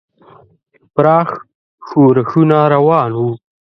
پراخ ښورښونه روان وو.